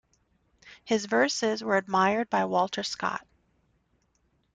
His verses were admired by Walter Scott.